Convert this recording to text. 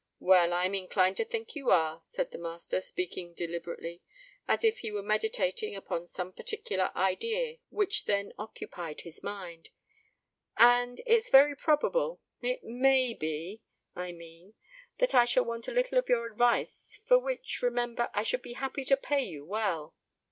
"Well—I'm inclined to think you are," said the master, speaking deliberately, as if he were meditating upon some particular idea which then occupied his mind; "and it's very probable—it may be, I mean—that I shall want a little of your advice; for which, remember, I should be happy to pay you well."